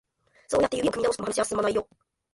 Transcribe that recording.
そうやって指を組み直しても、話は進まないよ。